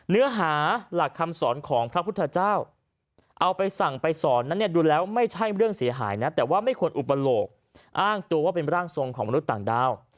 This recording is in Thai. เนื้อหาหลักคำสอนของพระพุทธเจ้าเอาไปสั่งไปสอนนั้นเนี่ยดูแล้วไม่ใช่เรื่องเสียหายนะแต่ว่าไม่ควรอุปโลกอ้างตัวว่าเป็นร่างทรงของมนุษย์ต่างดาว